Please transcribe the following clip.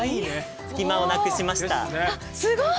隙間をなくしました。ですね。ね